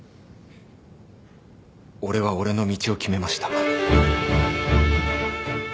俺は俺の道を決めました。